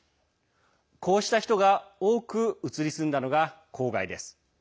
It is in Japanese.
こうした人が多く移り住んだのが郊外です。